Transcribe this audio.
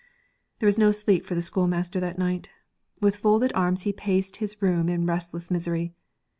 There was no sleep for the schoolmaster that night. With folded arms he paced his room in restless misery.